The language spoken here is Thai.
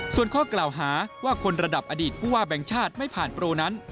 ส่วนข้อกล่าวหาว่าคนระดับอดีตผู้ว่าแบงค์ชาติไม่ผ่านโปรนั้น